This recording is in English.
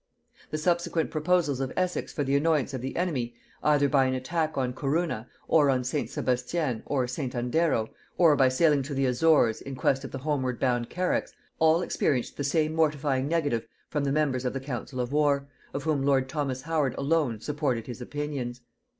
The subsequent proposals of Essex for the annoyance of the enemy, either by an attack on Corunna, or on St. Sebastian and St. Andero, or by sailing to the Azores in quest of the homeward bound carracks, all experienced the same mortifying negative from the members of the council of war, of whom lord Thomas Howard alone supported his opinions.